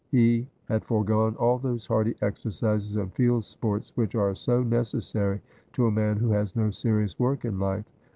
He had foregone all those hardy exercises and field sports which are so necessary to a man who has no serious work in life.